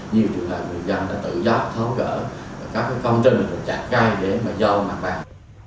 nhiều trường hợp người dân đã tự giác thấu gỡ các phong trình chạy cây để giao mặt bằng